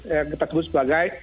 yang kita sebut sebagai